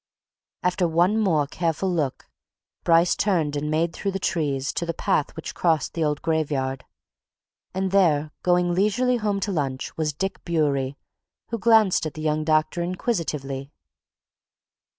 After one more careful look, Bryce turned and made through the trees to the path which crossed the old graveyard. And there, going leisurely home to lunch, was Dick Bewery, who glanced at the young doctor inquisitively.